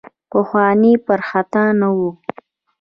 پخواني پر خطا نه وو.